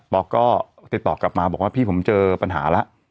๊อกก็ติดต่อกลับมาบอกว่าพี่ผมเจอปัญหาแล้ว